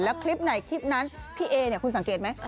แล้วคลิปไหนคลิปนั้นพี่เอเนี่ยคุณสังเกตไหม